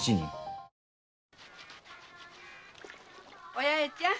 お八重ちゃん。